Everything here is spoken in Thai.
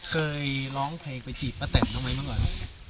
เคยร้องเพลงไปจีบป้าแต่นทำไมบ้างก่อน